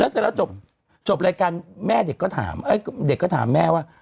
แล้วเสร็จแล้วจบจบรายการเด็กก็ถามแม่ว่า